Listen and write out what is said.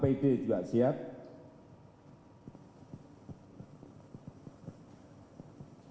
dan juga untuk perusahaan yang lain